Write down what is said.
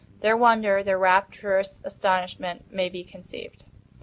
Their wonder—their rapturous astonishment—may be conceived.